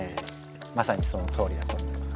まさにそのとおりだと思います。